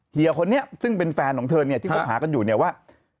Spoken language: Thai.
เหยียร์คนนี้ซึ่งเป็นแฟนของเธอที่พบหากันอยู่ว่า